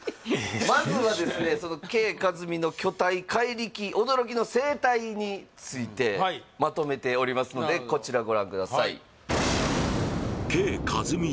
まずはですねそのＫ．カズミの巨体怪力驚きの生態についてまとめておりますのでこちらご覧ください